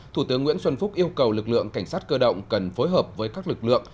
thủ tướng nguyễn xuân phúc yêu cầu lực lượng cảnh sát cơ động cần phối hợp với các lực lượng